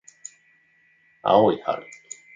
青い春